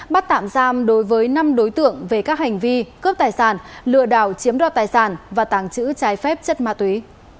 bắt tạm giam đối với năm đối tượng về các hành vi cướp tài sản lừa đảo chiếm đoạt tài sản và tàng trữ trái phép chất ma túy